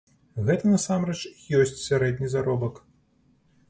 Гэта насамрэч і ёсць сярэдні заробак.